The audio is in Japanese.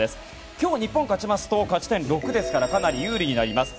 今日、日本が勝ちますと勝ち点６ですからかなり有利になります。